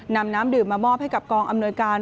นำน้ำดื่มมามอบให้กับกองอำนวยการ